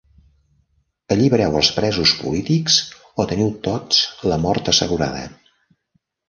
Allibereu els presos polítics o teniu tots la mort assegurada.